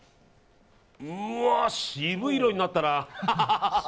うわ、渋い色になったな。